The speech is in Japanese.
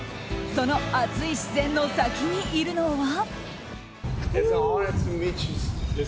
その熱い視線の先にいるのは。